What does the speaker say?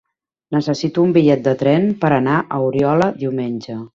Necessito un bitllet de tren per anar a Oriola diumenge.